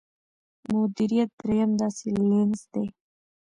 مديريت درېيم داسې لينز دی.